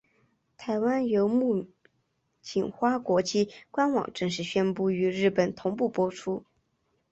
台湾由木棉花国际官网正式宣布与日本同步播出。